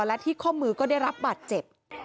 และที่ข้อมือก็ได้รับบาดเจ็บ